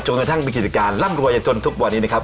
จนกระทั่งบิทธิการร่ำรวยจะจนทุกวันนี้นะครับ